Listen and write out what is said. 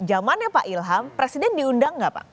pertama tama pertanyaannya pak ilham presiden diundang tidak pak